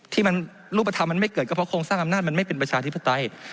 ที่มันรูปธรรมมันไม่เกิดก็เพราะโครงสร้างอำนาจมันไม่เป็นประชาธิปไตย